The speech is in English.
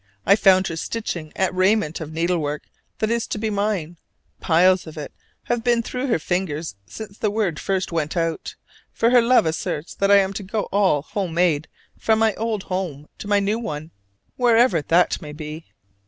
I found her stitching at raiment of needlework that is to be mine (piles of it have been through her fingers since the word first went out; for her love asserts that I am to go all home made from my old home to my new one wherever that may be!).